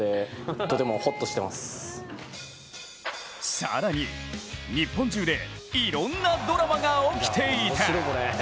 更に、日本中でいろんなドラマが起きていた。